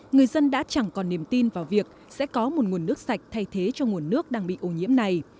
người dân đã chẳng còn niềm tin vào việc sẽ có một nguồn nước sạch thay thế cho nguồn nước đang bị ô nhiễm này